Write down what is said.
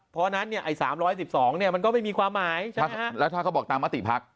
เพราะฉะนั้นเนี่ยไอ้สามร้อยสิบสองเนี่ยมันก็ไม่มีความหมายใช่ไหมฮะแล้วถ้าเขาบอกตามมติพัก